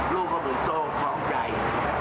ลูกเขาบุญโอหู้เช้าใจ